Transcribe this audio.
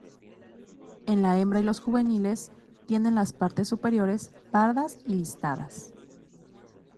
En la hembra y los juveniles tienen las partes superiores pardas y listadas.